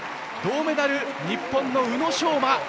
銅メダル、日本の宇野昌磨！